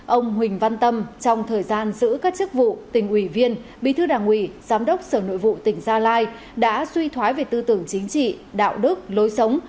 ông huỳnh văn tâm trong thời gian giữ các chức vụ tỉnh ủy viên bí thư đảng ủy giám đốc sở nội vụ tỉnh gia lai đã suy thoái về tư tưởng chính trị đạo đức lối sống